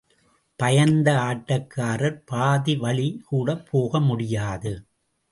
பயந்த ஆட்டக்காரர் பாதி வழிகூட போக முடியாது.